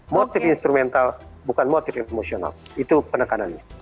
motif instrumental bukan motif emosional itu penekanannya